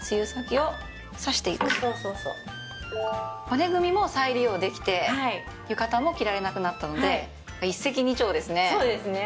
骨組みも再利用できて浴衣も着られなくなったので一石二鳥ですね。